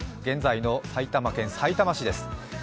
現在の埼玉県さいたま市です。